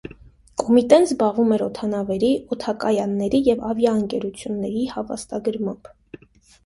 Կոմիտեն զբաղվում է օդանավերի, օդակայանների և ավիաընկերությունների հավաստագրմամբ։